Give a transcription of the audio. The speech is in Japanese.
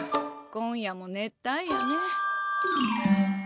今夜も熱帯夜ね。